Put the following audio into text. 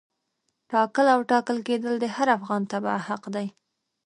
ټاکل او ټاکل کېدل د هر افغان تبعه حق دی.